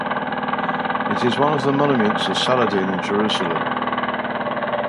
It is one of the monuments of Saladin in Jerusalem.